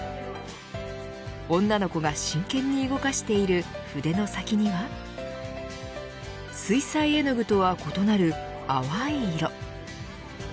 女の子が真剣に動かしている筆の先には水彩絵の具とは異なる淡い色。